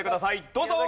どうぞ！